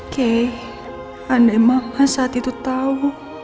kay andai mama saat itu tau